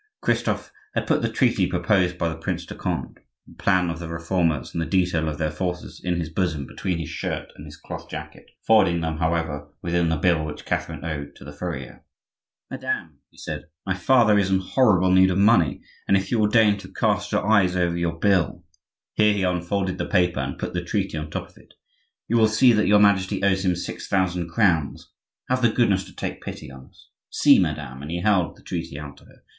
Christophe had put the treaty proposed by the Prince de Conde, the plan of the Reformers, and the detail of their forces in his bosom between his shirt and his cloth jacket, folding them, however, within the bill which Catherine owed to the furrier. "Madame," he said, "my father is in horrible need of money, and if you will deign to cast your eyes over your bill," here he unfolded the paper and put the treaty on the top of it, "you will see that your Majesty owes him six thousand crowns. Have the goodness to take pity on us. See, madame!" and he held the treaty out to her.